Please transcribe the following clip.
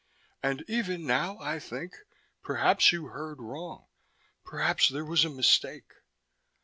"And even now, I think, perhaps you heard wrong, perhaps there was a mistake."